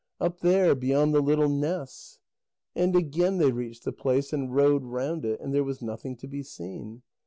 "Up there, beyond the little ness." And again they reached the place and rowed round it, and there was nothing to be seen.